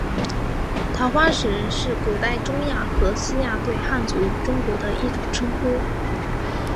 桃花石是古代中亚和西亚对汉族与中国的一种称呼。